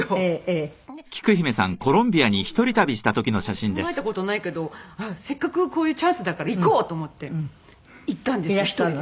今まで考えた事ないけどせっかくこういうチャンスだから行こうと思って行ったんです１人で。